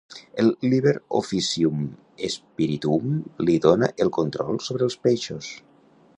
El "Liber Officium Spirituum" li dona el control sobre els peixos.